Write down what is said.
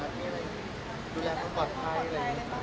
กินงานเชิมมากขึ้น